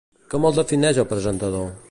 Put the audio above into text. Com el defineix el presentador?